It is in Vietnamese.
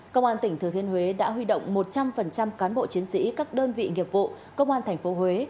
công an tỉnh thừa thiên huế đã huy động một trăm linh cán bộ chiến sĩ các đơn vị nghiệp vụ công an tp huế